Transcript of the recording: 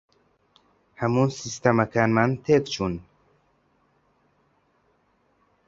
هەموو سیستەمەکانمان تێک چوون.